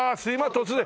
突然。